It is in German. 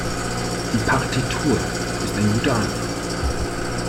Die Partitur ist ein guter Anfang.